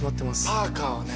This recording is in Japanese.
パーカーはね